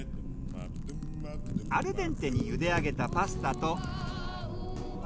アルデンテに茹で上げたパスタと。